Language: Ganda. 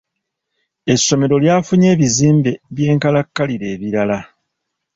Essomero lyafunye ebizimbe by'enkalakkalira ebirala.